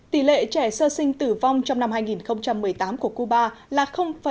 tỷ lệ trẻ sơ sinh tử vong trong năm hai nghìn một mươi tám của cuba là ba nghìn chín trăm sáu mươi ba